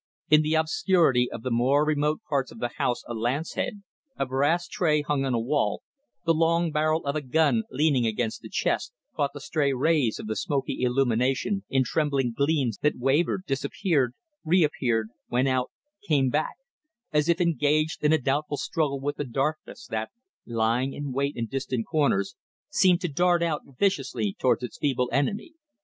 In the obscurity of the more remote parts of the house a lance head, a brass tray hung on the wall, the long barrel of a gun leaning against the chest, caught the stray rays of the smoky illumination in trembling gleams that wavered, disappeared, reappeared, went out, came back as if engaged in a doubtful struggle with the darkness that, lying in wait in distant corners, seemed to dart out viciously towards its feeble enemy.